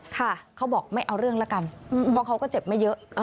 เขาบอกไม่เอาเรื่องละกันเพราะเขาก็เจ็บไม่เยอะ